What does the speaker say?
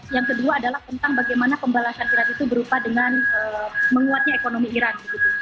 yang kedua adalah tentang bagaimana pembalasan iran itu berupa dengan menguatnya ekonomi iran